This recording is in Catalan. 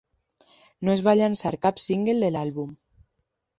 No es va llançar cap single de l'àlbum.